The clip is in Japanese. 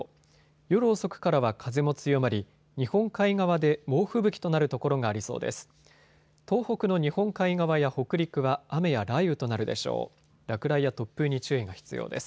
夜遅くからは風も強まり日本海側で猛吹雪となる所がありそうです。